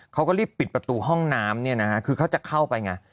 เขาก็รีบปิดประตูห้องน้ำคือเขาจะเข้าไปไง